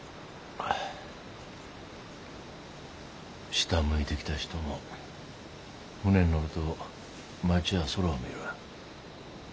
下向いて来た人も船に乗ると町や空を見る。